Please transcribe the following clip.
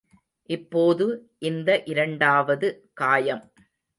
இப்போது, இந்த இரண்டாவது காயம்.